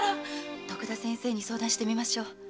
徳田先生に相談してみましょう。